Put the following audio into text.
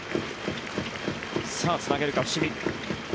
さあ、つなげるか伏見。